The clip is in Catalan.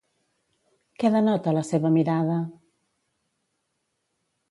Què denota la seva mirada?